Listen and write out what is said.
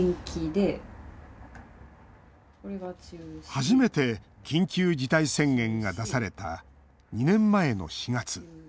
初めて緊急事態宣言が出された２年前の４月。